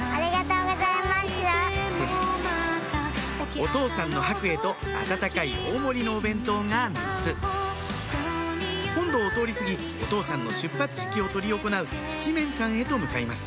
お父さんの白衣と温かい大盛りのお弁当が３つ本堂を通り過ぎお父さんの出発式を執り行う七面山へと向かいます